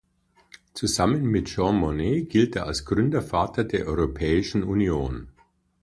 Zusammen mit Jean Monnet gilt er als Gründervater der Europäischen Union.